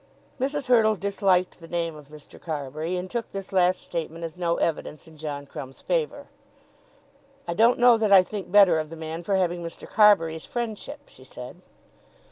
Mrs. Hurtle disliked the name of Mr. Carbury, and took this last statement as no evidence in John Crumb's favour. "I don't know that I think better of the man for having Mr. Carbury's friendship," she said.